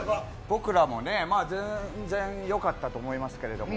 僕らもね、全然よかったと思いますけれども。